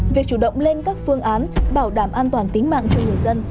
việc chủ động lên các phương án bảo đảm an toàn tính mạng cho người dân